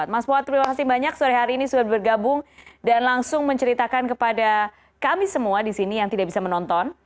mas puad terima kasih banyak sore hari ini sudah bergabung dan langsung menceritakan kepada kami semua di sini yang tidak bisa menonton